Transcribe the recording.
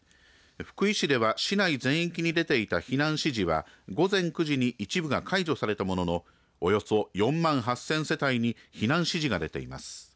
福井市では市内全域に出ていた避難指示は午前９時に一部が解除されたもののおよそ４万８０００世帯に避難指示が出ています。